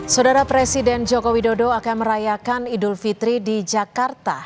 saudara presiden joko widodo akan merayakan idul fitri di jakarta